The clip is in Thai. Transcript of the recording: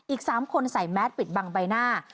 อีก๓คนใส่แมสปิดบังใบหน้า